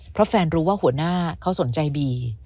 เพราะแฟนรู้ว่าหัวหน้าเขาสนใจบี